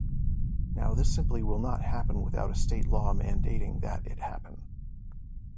Now, this simply will not happen without a state law mandating that it happen.